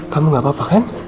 kamu gak papa kan